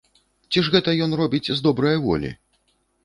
Ці ж гэта ён робіць з добрае волі?